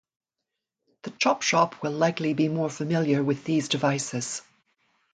The chop shop will likely be more familiar with these devices.